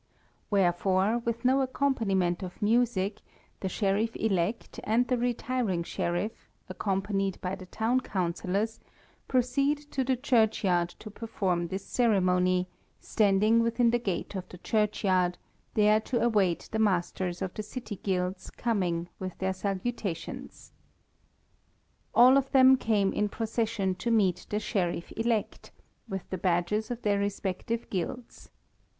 Wherefore, with no accompaniment of music, the Sheriff elect and the retiring Sheriff, accompanied by the town councillors, proceed to the churchyard to perform this ceremony, standing within the gate of the churchyard, there to await the masters of the City Guilds coming with their salutations. All of them came in procession to meet the Sheriff elect, with the badges of their respective Guilds.